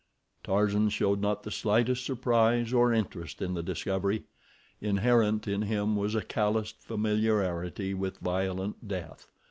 Tarzan showed not the slightest surprise or interest in the discovery. Inherent in him was a calloused familiarity with violent death.